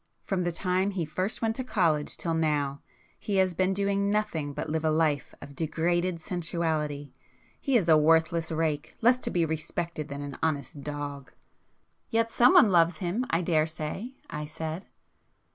From the time he first went to college till now, he has been doing nothing but live a life of degraded sensuality,—he is a worthless rake, less to be respected than an honest dog!" "Yet some one loves him I daresay!" I said.